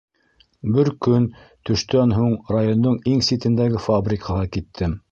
Бер көн төштән һуң райондың иң ситендәге фабрикаға киттем.